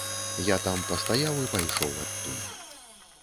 Я там пастаяў і пайшоў адтуль.